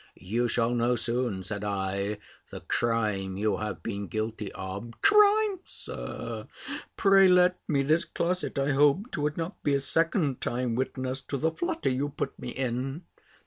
"You shall know soon," said I, "the crime you have been guilty of." "Crime, Sir! Pray let me This closet, I hoped, would not be a second time witness to the flutter you put me in."